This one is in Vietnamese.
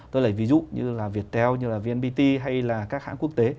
tôi lấy ví dụ như là viettel như là vnpt hay là các hãng quốc tế